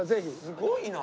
すごいな。